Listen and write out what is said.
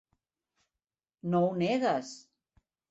No ho negues.